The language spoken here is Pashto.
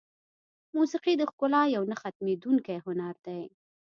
موسیقي د ښکلا یو نه ختمېدونکی هنر دی.